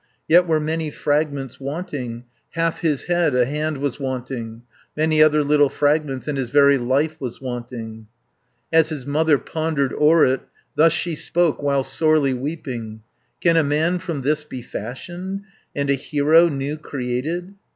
Yet were many fragments wanting, Half his head, a hand was wanting, Many other little fragments, And his very life was wanting. 280 As his mother pondered o'er it, Thus she spoke while sorely weeping: "Can a man from this be fashioned, And a hero new created?"